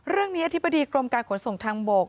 เรื่องนี้อธิบดีกรมการขนส่งทางบก